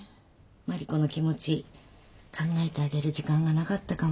万理子の気持ち考えてあげる時間がなかったかもな。